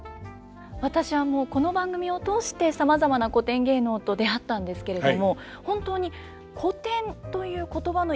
私はもうこの番組を通してさまざまな古典芸能と出会ったんですけれども本当に「古典」という言葉のイメージが変わりました。